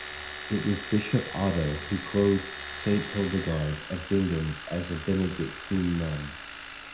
It was Bishop Otto who clothed Saint Hildegard of Bingen as a Benedictine nun.